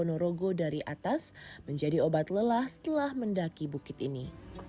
dan ponorogo dari atas menjadi obat lelah setelah mendaki bukit ini